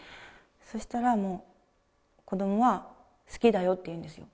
そしたら、もう、子どもは好きだよって言うんですよ。